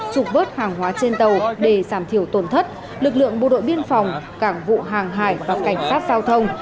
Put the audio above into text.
trục vớt hàng hóa trên tàu để giảm thiểu tổn thất lực lượng bộ đội biên phòng cảng vụ hàng hải và cảnh sát giao thông